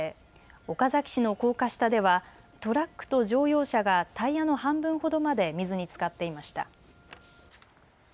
岡崎市の高架下ではトラックと乗用車がタイヤの半分ほどまで水につかっていました。